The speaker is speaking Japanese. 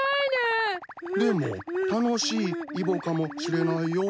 でも楽しいイボかもしれないよ。